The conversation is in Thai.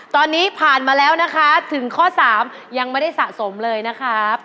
ตอนนี้ผ่านมาแล้วนะคะถึงข้อ๓ยังไม่ได้สะสมเลยนะครับ